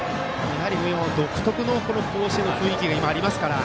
独特の甲子園の雰囲気が今、ありますから